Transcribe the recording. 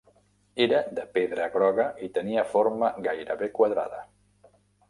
Era de pedra groga i tenia forma gairebé quadrada.